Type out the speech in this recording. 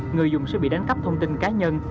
người dùng sẽ bị đánh cắp thông tin cá nhân